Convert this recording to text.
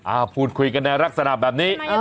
พูดคุยกันในลักษณะแบบนี้